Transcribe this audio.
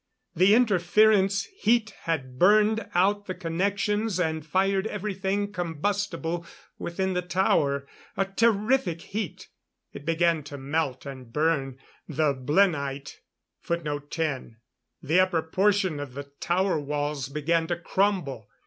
The interference heat had burned out the connections and fired everything combustible within the tower. A terrific heat. It began to melt and burn the blenite. The upper portion of the tower walls began to crumble.